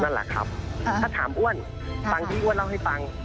นั่นแหละครับถ้าถามอ้วนฟังที่อ้วนเล่าให้ฟัง